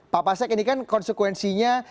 pak pasek ini kan konsekuensinya